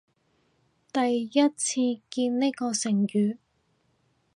第一次見呢個成語